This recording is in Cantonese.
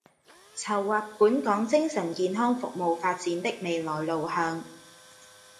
籌劃本港精神健康服務發展的未來路向